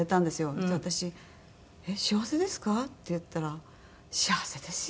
そして私「えっ幸せですか？」って言ったら「幸せですよ」。